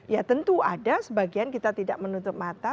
ya tentu ada sebagian kita tidak menutup mata